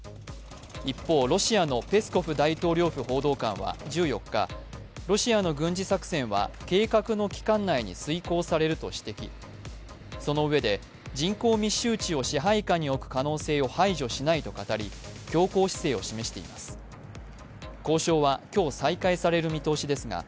一方、ロシアのペスコフ大統領報道官は１４日、ロシアの軍事作戦は計画の期間内に遂行されると指摘、そのうえで、人口密集地を支配下に置く可能性を排除しないと語り強硬姿勢を示しました。